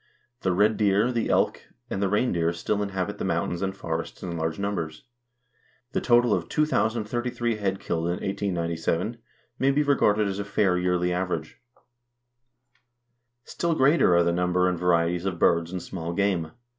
The red deer, the elk, and the reindeer still inhabit the mountains and forests in large numbers. The total of 2033 head killed in 1897 may be regarded as a fair yearly average. Still greater are the number and varieties of birds and small game.